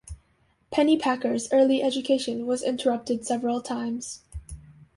Pennypacker's early education was interrupted several times.